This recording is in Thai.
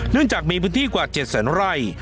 เนื่องจากมีพื้นที่กว่า๗แสนไร่